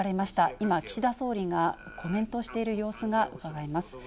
今、岸田総理がコメントしている様子がうかがえます。